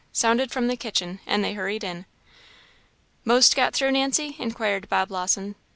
sounded from the kitchen, and they hurried in. " 'Most got through, Nancy?" inquired Bob Lawson.